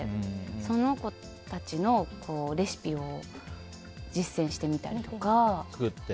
その子たちのレシピを実践してみたりとか。